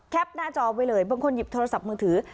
หน้าจอไว้เลยบางคนหยิบโทรศัพท์มือถือ